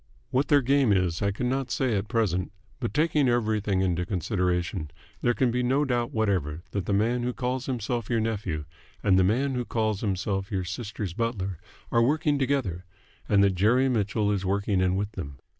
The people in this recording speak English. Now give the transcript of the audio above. What their game is I could not say at present, but, taking everything into consideration, there can be no doubt whatever that the man who calls himself your nephew and the man who calls himself your sister's butler are working together, and that Jerry Mitchell is working in with them.